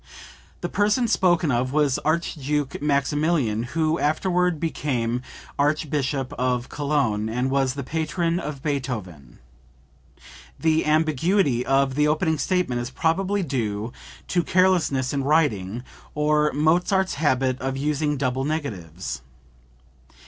The person spoken of was Archduke Maximilian, who afterward became Archbishop of Cologne, and was the patron of Beethoven. [The ambiguity of the opening statement is probably due to carelessness in writing, or Mozart's habit of using double negatives.